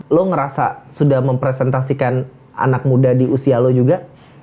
lo ngerasa sudah mempresentasikan anak muda di usia lo juga